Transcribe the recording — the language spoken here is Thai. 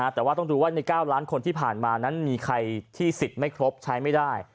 แต่ว่าต้องดูว่าใน๙ล้านคนที่ผ่านมานั้นมีใครที่สิทธิ์ไม่ครบใช้ไม่ได้